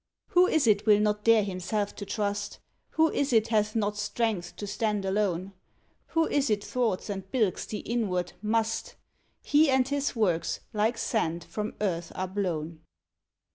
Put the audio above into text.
Who is it will not dare himself to trust? Who is it hath not strength to stand alone? Who is it thwarts and bilks the inward |MUST|? He and his works, like sand, from earth are blown.